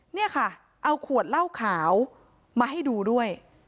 เนี่ยค่ะเอาขวดเหล้าขาวมาให้ดูด้วย